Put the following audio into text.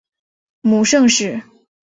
母盛氏。